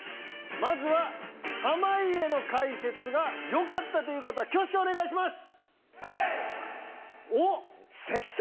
まずは濱家の解説が良かった方挙手お願いします。